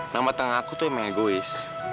nama tengah aku tuh emang egois